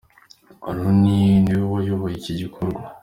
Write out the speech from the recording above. Ronnie ni we wayoboye iki gikorwa.